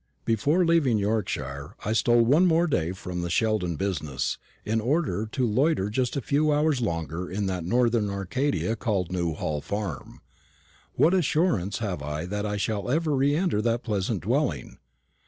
Before leaving Yorkshire, I stole one more day from the Sheldon business, in order to loiter just a few hours longer in that northern Arcadia called Newhall farm. What assurance have I that I shall ever re enter that pleasant dwelling?